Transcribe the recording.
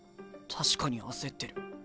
確かに焦ってる。